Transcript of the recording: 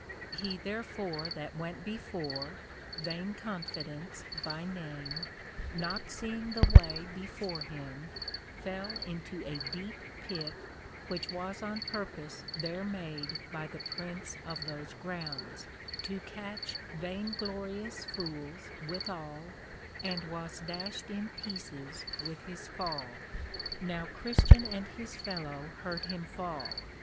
He therefore that went before (Vain confidence by name) not seeing the way before him, fell into a deep Pit, which was on purpose there made by the Prince of those grounds, to catch vain glorious fools withal, and was dashed in pieces with his fall. Now Christian and his fellow heard him fall.